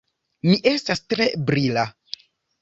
Mi estas tre brila.